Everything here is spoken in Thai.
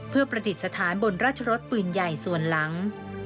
เพื่อประดิษฐานบนราชรสปืนใหญ่ส่วนหลัง